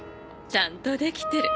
ちゃんとできてる。